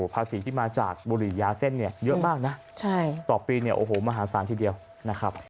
ภาษีที่มาจากบุหรี่ยาเส้นเนี่ยเยอะมากนะต่อปีเนี่ยโอ้โหมหาศาลทีเดียวนะครับ